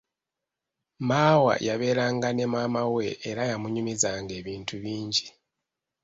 Maawa yabeeranga ne maama we era yamunyumizanga ebintu bingi.